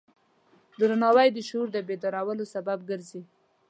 درناوی د شعور د بیدارولو سبب ګرځي.